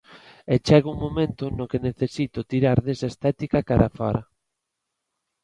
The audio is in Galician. E chega un momento no que necesito tirar desa estética cara a fóra.